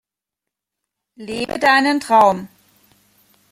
Lebe deinen Traum!